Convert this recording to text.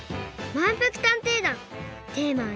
まんぷく探偵団テーマは「にんじん」。